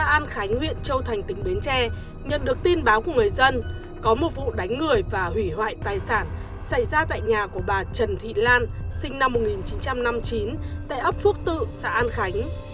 công an khánh huyện châu thành tỉnh bến tre nhận được tin báo của người dân có một vụ đánh người và hủy hoại tài sản xảy ra tại nhà của bà trần thị lan sinh năm một nghìn chín trăm năm mươi chín tại ấp phước tự xã an khánh